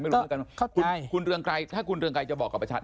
รู้แล้วกันว่าคุณเรืองไกรถ้าคุณเรืองไกรจะบอกกับประชาชน